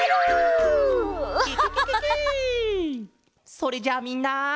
それじゃあみんな。